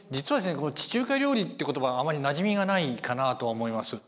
この地中海料理って言葉はあまりなじみがないかなあとは思います。